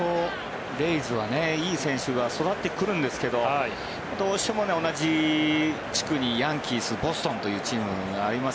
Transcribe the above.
レイズはいい選手は育ってくるんですけどどうしても同じ地区にヤンキース、ボストンというチームがあります。